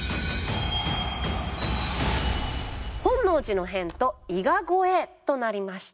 「本能寺の変と伊賀越え」となりました。